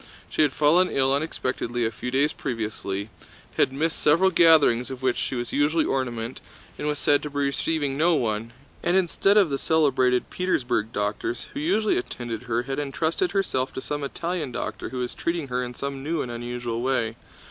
She had fallen ill unexpectedly a few days previously, had missed several gatherings of which she was usually the ornament, and was said to be receiving no one, and instead of the celebrated Petersburg doctors who usually attended her had entrusted herself to some Italian doctor who was treating her in some new and unusual way.